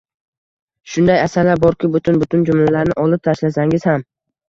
Shunday asarlar borki, butun-butun jumlalarni olib tashlasangiz ham